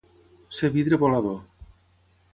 Ser vidre volador.